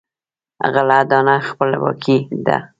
غله دانه خپلواکي ده.